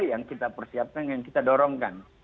yang kita persiapkan yang kita dorongkan